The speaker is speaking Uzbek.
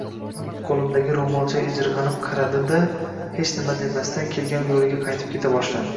Qoʻlimdagi roʻmolchaga ijirgʻanib qaradi-da, hech nima demasdan kelgan yoʻliga qaytib keta boshladi.